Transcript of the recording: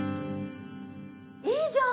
いいじゃん。